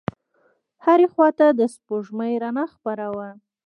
هرې خواته د سپوږمۍ رڼا خپره وه.